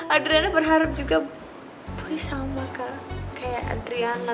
adriana berharap juga boy sama kayak adriana